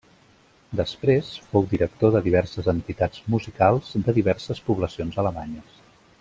Després fou director de diverses entitats musicals de diverses poblacions alemanyes.